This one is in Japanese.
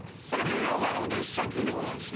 芸能界のこと一切聞いてこないし。